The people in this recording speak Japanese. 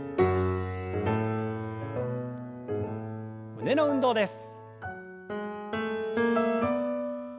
胸の運動です。